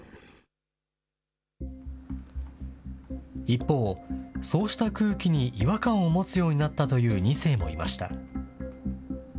一方、そうした空気に違和感を持つようになったという２世もいました。